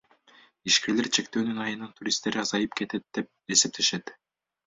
Ишкерлер чектөөнүн айынан туристтер азайып кетет деп эсептешет.